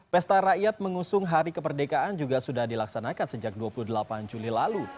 pesta rakyat mengusung hari kemerdekaan juga sudah dilaksanakan sejak dua puluh delapan juli lalu